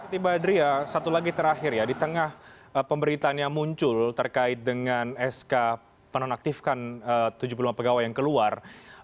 tiba tiba satu lagi terakhir ya di tengah pemberitanya muncul terkait dengan sk penonaktifkan tujuh puluh lima pegawai yang keluar